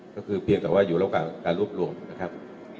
ก็คือเพียงแต่ว่าอยู่ระหว่างการรวบรวมนะครับ